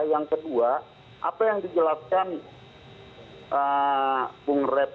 yang kedua apa yang dijelaskan bung rep